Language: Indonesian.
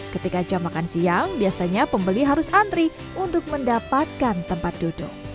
ketika jam makan siang biasanya pembeli harus antri untuk mendapatkan tempat duduk